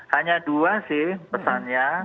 hanya dua sih pesannya